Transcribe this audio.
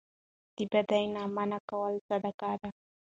د بدۍ نه منع کول صدقه ده